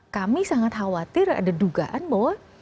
kami sangat khawatir ada dugaan bahwa